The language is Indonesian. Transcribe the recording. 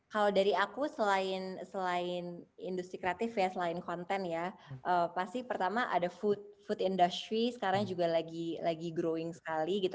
kalau dari aku selain industri kreatif ya selain konten ya pasti pertama ada food industry sekarang juga lagi growing sekali gitu